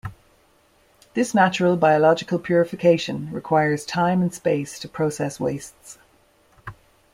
This natural biological purification requires time and space to process wastes.